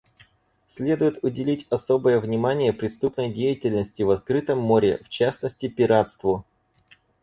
Следует уделить особое внимание преступной деятельности в открытом море, в частности пиратству.